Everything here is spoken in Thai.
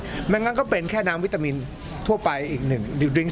ถ้าอย่างนั้นก็เป็นแค่น้ำวิตามินอีกดิ๊กดริ๊งซ์